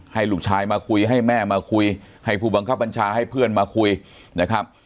ให้ลูกชายมาคุยให้แม่มาคุยให้ผู้บังคับบัญชาให้เพื่อนมาคุยนะครับ